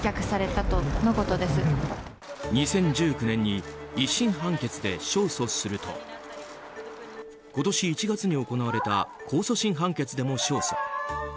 ２０１９年に１審判決で勝訴すると今年１月に行われた控訴審判決でも勝訴。